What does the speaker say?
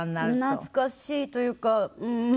懐かしいというかうん。